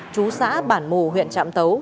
chú xã bản mù huyện trạm tấu